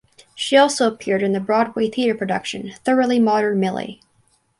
She also appeared in the Broadway Theater production "Thoroughly Modern Millie".